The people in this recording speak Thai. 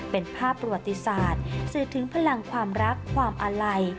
เป็นภาพประวัติศาสตร์สื่อถึงพลังความรักความอาลัย